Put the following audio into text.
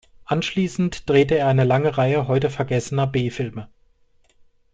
Anschließend drehte er eine lange Reihe heute vergessener B-Filme.